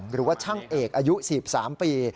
หรือว่าช่างเอกอายุ๑๓ปี